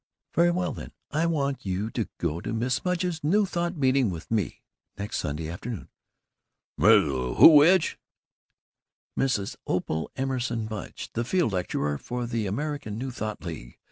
"Very well then, I want you to go to Mrs. Mudge's New Thought meeting with me, next Sunday afternoon." "Mrs. Who's which?" "Mrs. Opal Emerson Mudge. The field lecturer for the American New Thought League.